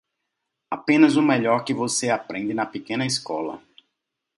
Apenas o melhor que você aprende na pequena escola.